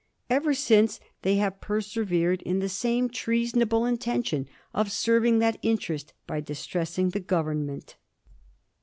Ever since they have persevered in the same treasonable intention of serving that interest by distressing the Government."